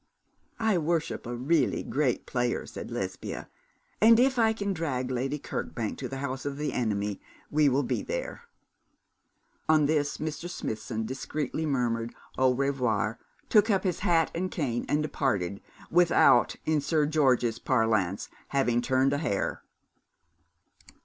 'I worship a really great player,' said Lesbia, 'and if I can drag Lady Kirkbank to the house of the enemy, we will be there.' On this Mr. Smithson discreetly murmured 'au revoir,' took up his hat and cane, and departed, without, in Sir George's parlance, having turned a hair.